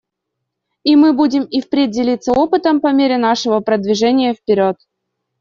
И мы будем и впредь делиться опытом по мере нашего продвижения вперед.